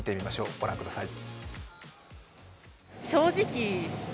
ご覧ください。